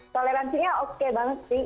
poleransinya oke banget sih